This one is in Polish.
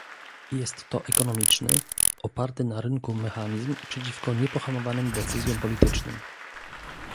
Jest to ekonomiczny, oparty na rynku mechanizm przeciwko niepohamowanym decyzjom politycznym